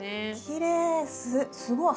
きれい。